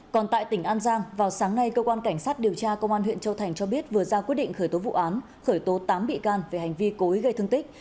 còn tại tỉnh an giang vào sáng nay cơ quan cảnh sát điều tra công an huyện châu thành cho biết vừa ra quyết định khởi tố vụ án khởi tố tám bị can về hành vi cố ý gây thương tích